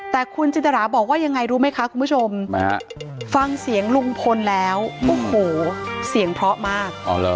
แต่คุณจินตราบอกว่ายังไงรู้ไหมคะคุณผู้ชมฟังเสียงลุงพลแล้วโอ้โหเสียงเพราะมาก